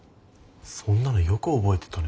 そんなのよく覚えてたね。